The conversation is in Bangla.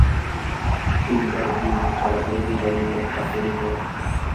ইন্টারভ্যু, চলাকালেই দু জন লোক তাঁকে নিতে এল।